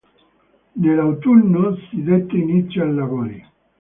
Nell'autunno si dette inizio ai lavori.